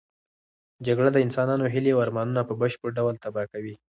جګړه د انسانانو هیلې او ارمانونه په بشپړ ډول تباه کوي.